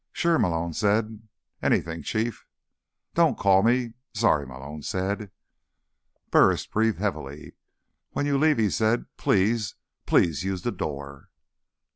"Sure," Malone said. "Anything, Chief." "Don't call me—" "Sorry," Malone said. Burris breathed heavily. "When you leave," he said, "please, please use the door."